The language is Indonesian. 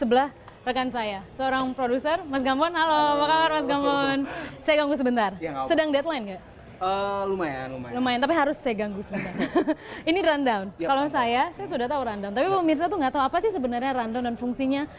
bisa membawa pemberitaan pemberitaan tentang indonesia